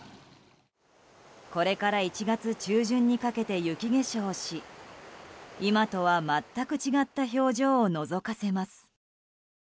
これから１月中旬にかけて雪化粧し今とは全く違った表情をのぞかせます。